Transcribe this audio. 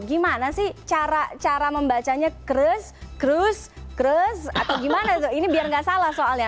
gimana sih cara cara membacanya kres cruise kres atau gimana tuh ini biar nggak salah soalnya